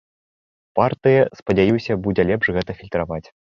Партыя, спадзяюся, будзе лепш гэта фільтраваць.